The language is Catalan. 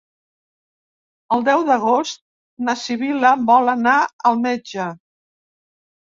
El deu d'agost na Sibil·la vol anar al metge.